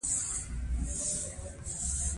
هغه زیاته کړه چې دغه فرصت طلبي کسان بد دي